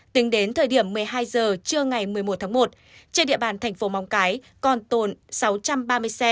tính đến thời điểm một mươi hai h trưa ngày một mươi một tháng một trên địa bàn thành phố móng cái còn tồn sáu trăm ba mươi xe